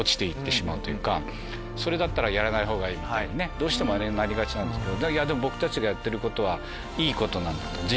どうしてもなりがちなんですけど。